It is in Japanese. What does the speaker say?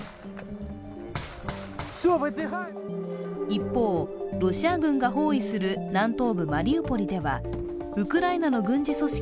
一方、ロシア軍が包囲する南東部マリウポリではウクライナの軍事組織